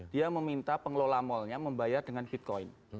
dia meminta pengelola malnya membayar dengan bitcoin